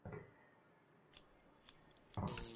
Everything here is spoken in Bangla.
সেটা আমরা উনাকে বলবো।